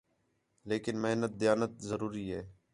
لیکن محنت، دیانت ضروری ہِے